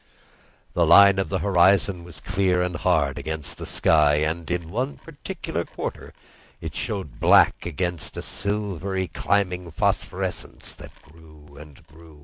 The line of the horizon was clear and hard against the sky, and in one particular quarter it showed black against a silvery climbing phosphorescence that grew and grew.